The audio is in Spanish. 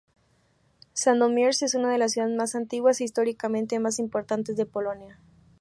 Sandomierz es una de las ciudades más antiguas e históricamente más importantes de Polonia.